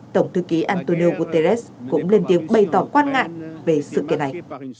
tổng thư ký antonio guterres cũng lên tiếng bày tỏ quan ngại về sự kết hại